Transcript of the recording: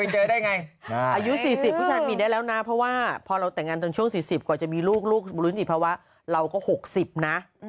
เจอได้ไงอายุ๔๐ผู้ชายมีได้แล้วนะเพราะว่าพอเราแต่งงานตอนช่วง๔๐กว่าจะมีลูกลูกลุนิติภาวะเราก็๖๐นะ